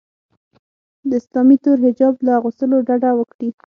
د اسلامي تور حجاب له اغوستلو ډډه وکړي